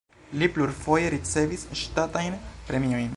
Li plurfoje ricevis ŝtatajn premiojn.